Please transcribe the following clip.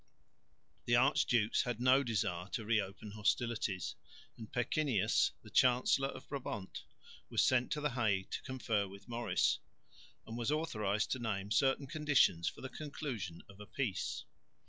The archdukes had no desire to re open hostilities; and Pecquinius, the Chancellor of Brabant, was sent to the Hague to confer with Maurice, and was authorised to name certain conditions for the conclusion of a peace.